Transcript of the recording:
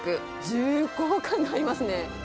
重厚感がありますね。